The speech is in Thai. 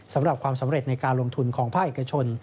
สำหรับความสำเร็จในการลงทุนของภาคเอกชน